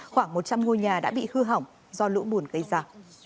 khoảng một trăm linh ngôi nhà đã bị hư hỏng do lũ bùn gây ra